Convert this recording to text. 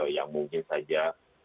yang mungkin saja